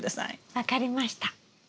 分かりました。